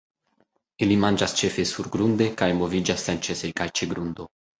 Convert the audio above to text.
Ili manĝas ĉefe surgrunde, kaj moviĝas senĉese kaj ĉe grundo.